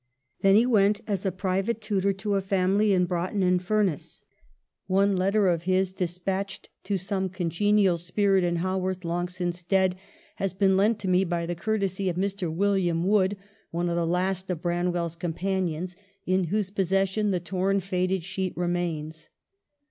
Then he went as private tutor to a family in Broughton in Furness. One letter of his thence GIRLHOOD AT HA WORTH. 83 despatched to some congenial spirit in Haworth, long since dead, has been lent to me by the courtesy of Mr. William Wood, one of the last of Branwell's companions, in whose possession the torn, faded sheet remains.